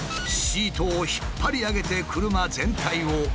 シートを引っ張り上げて車全体を覆う。